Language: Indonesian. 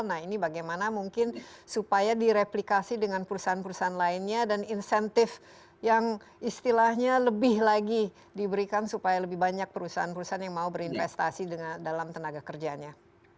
nah ini bagaimana mungkin supaya direplikasi dengan perusahaan perusahaan lainnya dan insentif yang istilahnya lebih lagi diberikan supaya lebih banyak perusahaan perusahaan yang mau berinvestasi dalam tenaga kerjanya